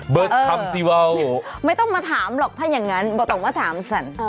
ไม่ต้องมาถามสิว้าวไม่ต้องมาถามหรอกถ้าอย่างงั้นไม่ต้องมาถามสัน